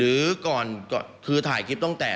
ฟังเสียงอาสามูลละนิทีสยามร่วมใจ